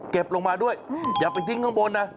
ลงมาด้วยอย่าไปทิ้งข้างบนนะ